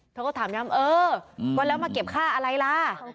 เธอก็ถามย้ำเออก็แล้วมาเก็บค่าอะไรล่ะ